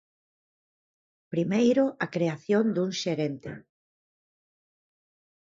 Primeiro, a creación dun xerente.